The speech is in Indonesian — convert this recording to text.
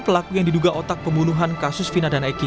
pelaku yang diduga otak pembunuhan kasus fina dan eki